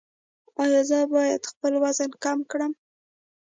ایا زه باید خپل وزن کم کړم؟